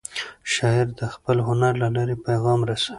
شاعر د خپل هنر له لارې پیغام رسوي.